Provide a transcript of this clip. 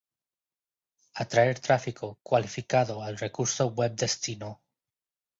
Atraer tráfico cualificado al recurso web destino.